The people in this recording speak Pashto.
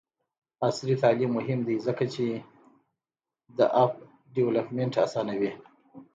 عصري تعلیم مهم دی ځکه چې د اپ ډیولپمنټ اسانوي.